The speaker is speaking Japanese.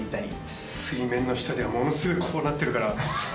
水面の下ではものすごいこうなってるから。